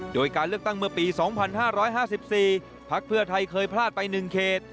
โดยการเลือกตั้งเมื่อปี๒๕๕๔พักเพื่อไทยเคยพลาดไป๑เขต